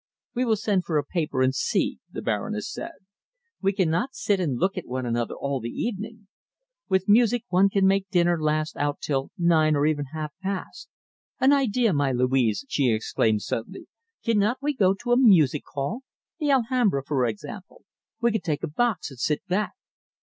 "We will send for a paper and see," the Baroness said. "We cannot sit and look at one another all the evening. With music one can make dinner last out till nine or even half past an idea, my Louise!" she exclaimed suddenly. "Cannot we go to a music hall, the Alhambra, for example? We could take a box and sit back."